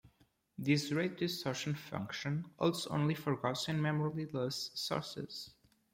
This rate-distortion function holds only for Gaussian memoryless sources.